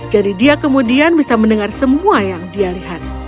jadi dia kemudian bisa mendengar semua yang dia lihat